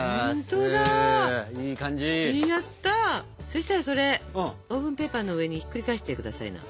そしたらそれオーブンペーパーの上にひっくり返してくださいな。